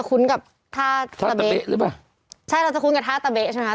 คุ้นกับท่าตาเบ๋ใช่หรือเปล่าใช่เราจะคุ้นกับท่าตาเบ๋ใช่ไหมครับ